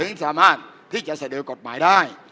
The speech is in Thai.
สามารถที่จะเสนอกฎหมายได้